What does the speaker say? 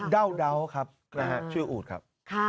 ด้าวดาวนะครับชื่ออุดครับ